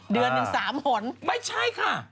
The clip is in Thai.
เดือนหนึ่ง๓หนไม่ใช่ค่ะ